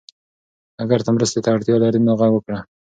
اگر ته مرستې ته اړتیا لرې نو غږ وکړه.